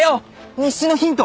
日誌のヒント